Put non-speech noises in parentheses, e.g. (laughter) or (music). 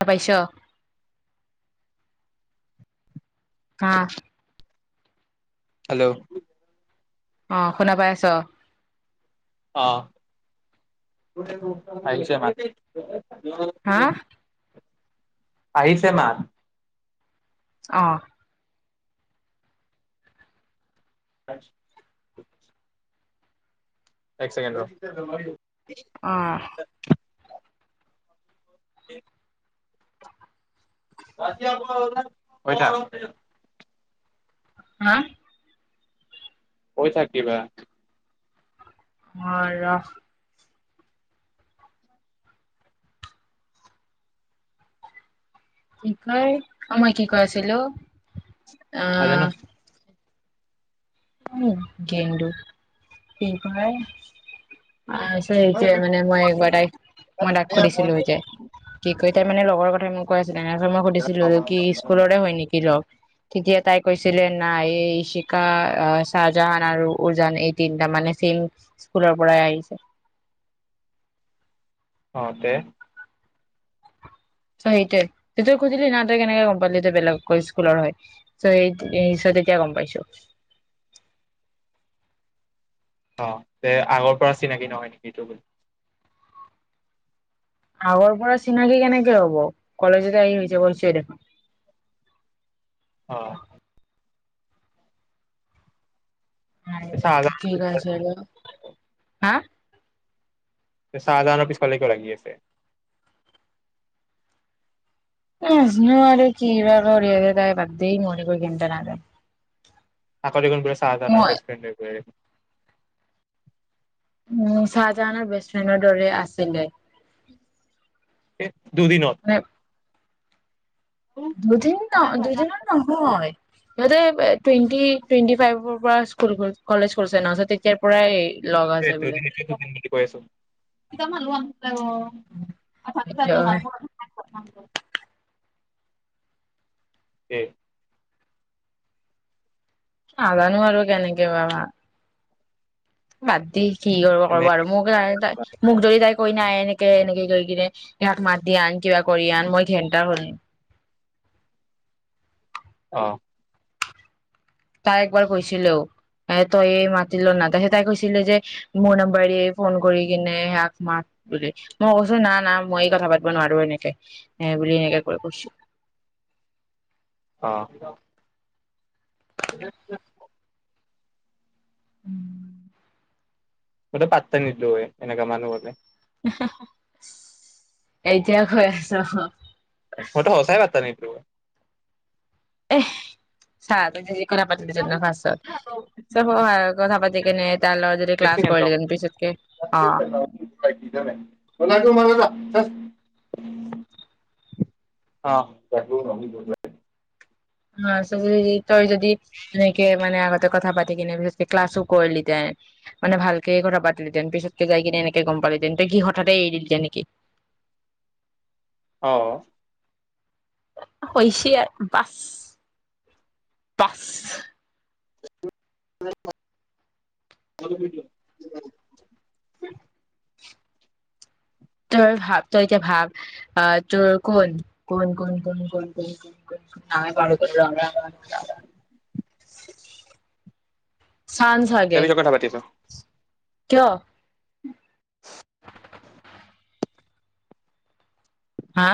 এ পাইচা। আহ হেল্ল' আহ শুনা পাই আছ অ আহছে ম (unintelligible) অ হা আহিছেমানান আহ। হয় এক চেকেণ্ড। আহ। এক যা ইয়াৰ পৰা উৰা বহি থাক হা কৈ থাকিবা মৰা কি কয় আ মই কি কৈছিলো নাজানো অহ উম গেডু পপাই অ সেই যে মানে মই একবাৰ মই ডাক খুছিলো যে তো এতিয়া মানে লগৰ কথা মোক কোৱা তেনেক মই সুধিছিলো কি স্কুলৰে হয় নেকি লগ তেতিয়া তাই কৈছিলে নাই এই শিকা আহ চাহজাহান আৰু উৰজান এই তিনিটা মানে চেইম স্কুলৰ পৰাই আহিছে অ তে চৌ সেইটোৱে তই সুধিলি না তই কেনেকে গম পালি বেলেগ স্কুলৰ হয় চ' সেইিত তেতিয়া গম পাইছো অ তে আগৰ পৰা চিনাকি নহয় নেকি এইটো বুলি আগৰ পৰা চিনাকি কেনেকে হব কলেজতে আহী হৈ হৈছে দেখোন হয় চাহজাহান ঠিক আছে ন হা চাহজাহৰ পিছফালেকিবা লাগি আছে এই নাজানো আৰু কিৰি তাই ব মৰিব কিন্ত নাৰে কল বো চাহজানৰ বেষ্ট ফ্ৰে (unintelligible) উম চাহজাহানৰ বেষ্ট ফ্ৰেণ্ডৰ দৰে আছিলে দুদিনত মানে দুদিন ন দুদিনৰ দুদিন নহয় সিহঁতে টুৱেটি টুৱেণ্টি ফাইভৰ পৰা স্কুল কলেজ খুলছে ন তেতিয়া ো মালো আম (unintelligible) বোলে এখনকে কে নাজানো আৰু কেনেকে পাবা বাদি কি কৰিব কব এনে আৰু মোক ত তাই মোক যদি তাই কৈ নাই এনে কেএনেকে কৰি কিনে ইয়াত মাততি আন কিবা কৰি আন মই ঘেণ্টা হল অহ তাই একবাৰ কৈছিলেও এ তইয়ে মাতিল না তাই তাই কৈছিলে যে মোৰ নম্বাৰ ফোন কৰি কিনে সয়াক মাত বুলি মই কৈছো না না ময়ে কথা পাতিব নোৱাৰো এনেকে এ বুলি এনেকে ক কৈছো অহ আ (unintelligible) উম মইতো পাত্তা নিদিলো হয় এনেককা মানুহৰ হলে উহু এতিয়া কৈ আছ সেটো সচাই ভাত পানী? দ (unintelligible) এ চ তি (unintelligible) কথা পাতিলত সেনো ফাষ্টত, চব কথা পাতি কেনে তাৰ লগত যদি ক্লাছ কৰিল পিছতকে, অ অ (unintelligible) অ চ (unintelligible) তই যদি এনেকে মানে, আগতে কথা পাতি পাতি কিনে, পিছতকে ক্লাছো কৰিলহেঁতেন, মানে ভালকে কথা পাতিলহেতেন, পিছতকে যাই কিনে এনেকে গম পালিহেঁতেন তই কি হঠাতে এৰি দিলিঁহেতেন নেকি? অ হৈছে, বাচ- বাচ (inaudible) (unintelligible) তই ভাব তই এতিয়া ভাব তোৰ কোন (unintelligible) চান্জ দে লাগে পিছত কথা পাতি আছো। কিয়? হা